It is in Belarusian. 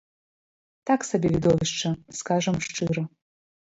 Так сабе відовішча, скажам шчыра.